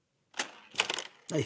はい。